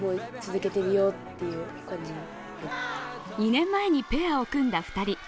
２年前にペアを組んだ２人。